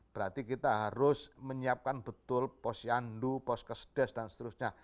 berarti kita harus menyiapkan betul pos yandu pos kesedes dan seterusnya